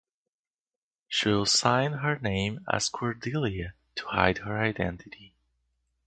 She will sign her name as "Cordelia" to hide her identity.